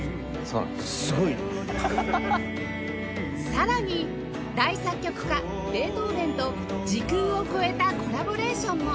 さらに大作曲家ベートーヴェンと時空を超えたコラボレーションも